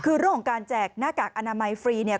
คือเรื่องของการแจกหน้ากากอนามัยฟรีเนี่ย